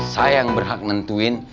saya yang berhak nentuin